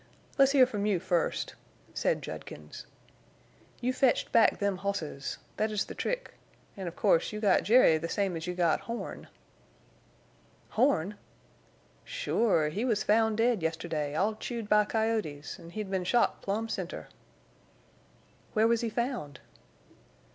"Let's hear from you first," said Judkins. "You fetched back them hosses. Thet is the trick. An', of course, you got Jerry the same as you got Horne." "Horne!" "Sure. He was found dead yesterday all chewed by coyotes, en' he'd been shot plumb center." "Where was he found?"